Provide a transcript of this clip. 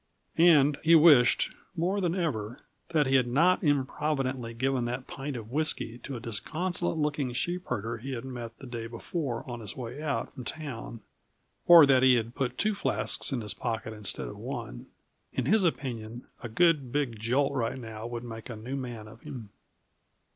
And he wished, more than ever, that he had not improvidently given that pint of whisky to a disconsolate looking sheep herder he had met the day before on his way out from town; or that he had put two flasks in his pocket instead of one. In his opinion a good, big jolt right now would make a new man of him.